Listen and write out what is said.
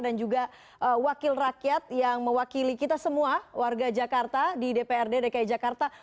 dan juga wakil rakyat yang mewakili kita semua warga jakarta di dprd dki jakarta